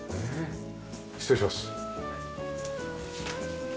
失礼します。